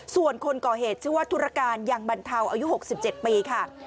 ส่วนคนก่อเหตุชื่อว่าธุรการยังบรรเทาอายุ๖๗ปีค่ะ